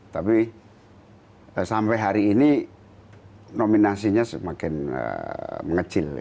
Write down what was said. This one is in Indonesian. tapi sampai hari ini nominasinya semakin mengecil